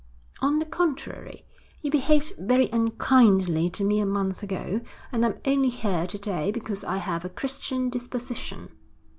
'On the contrary, you behaved very unkindly to me a month ago, and I'm only here to day because I have a Christian disposition.'